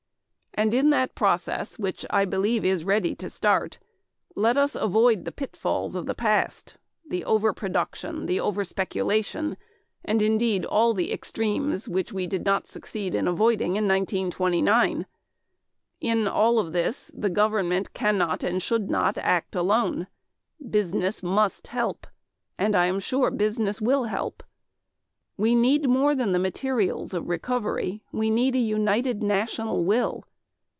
"... And in that process, which I believe is ready to start, let us avoid the pitfalls of the past the overproduction, the overspeculation, and indeed all the extremes which we did not succeed in avoiding in 1929. In all of this, government cannot and should not act alone. Business must help. And I am sure business will help. "We need more than the materials of recovery. We need a united national will.